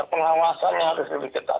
pengawasannya harus lebih ketat